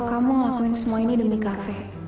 kamu ngelakuin semua ini demi kafe